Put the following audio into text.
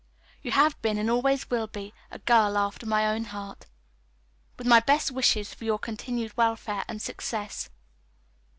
You have been, and always will be, a girl after my own heart. With my best wishes for your continued welfare and success.